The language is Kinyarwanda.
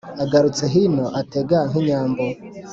agarutse hino atega nk’ inyambo,